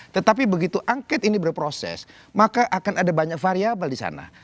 tetapi begitu angket ini berproses maka akan ada banyak variable di sana